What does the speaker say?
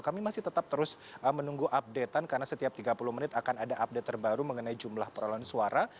kami masih tetap terus menunggu update an karena setiap tiga puluh menit akan ada update terbaru mengenai jumlah perolahan suara